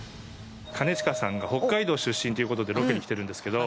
兼近さんが北海道出身という事でロケに来てるんですけど。